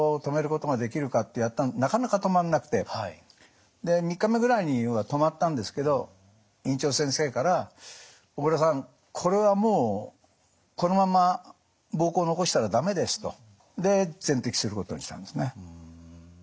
なかなか止まんなくてで３日目ぐらいには止まったんですけど院長先生から「小倉さんこれはもうこのまんま膀胱残したら駄目です」と。で全摘することにしたんですね。